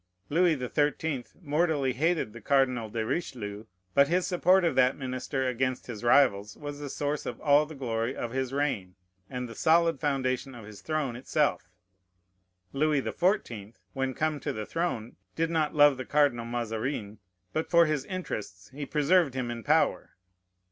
Louis the Thirteenth mortally hated the Cardinal de Richelieu; but his support of that minister against his rivals was the source of all the glory of his reign, and the solid foundation of his throne itself. Louis the Fourteenth, when come to the throne, did not love the Cardinal Mazarin; but for his interests he preserved him in power.